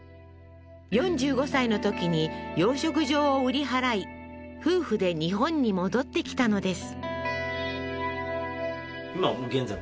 ４５歳のときに養殖場を売り払い夫婦で日本に戻ってきたのです